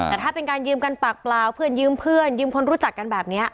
แต่ถ้าเป็นการยืมกันปากเปล่าเพื่อนยืมเพื่อนยืมคนรู้จักกันแบบนี้